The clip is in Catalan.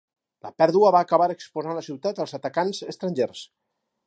La pèrdua va acabar exposant la ciutat als atacants estrangers.